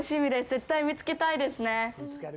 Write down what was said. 絶対見つけたいですね。